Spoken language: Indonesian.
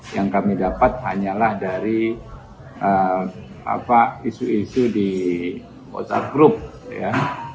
yang kami dapat hanyalah dari isu isu di whatsapp group ya